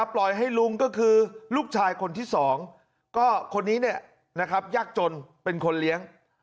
ปล่อยให้ลุงก็คือลูกชายคนที่๒ก็คนนี้ยากจนเป็นคนเลี้ยง